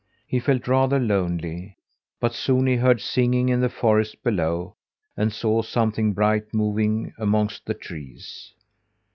He felt rather lonely. But soon he heard singing in the forest below, and saw something bright moving amongst the trees.